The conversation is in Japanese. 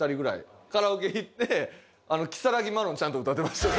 カラオケ行って如月マロンちゃんと歌ってました。